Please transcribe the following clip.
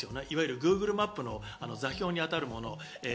いわゆるグーグルマップの座標に当たるもの。